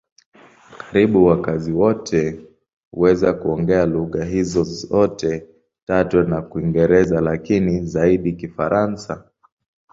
Karibu wakazi wote huweza kuongea lugha hizo zote tatu na Kiingereza, lakini zaidi Kifaransa.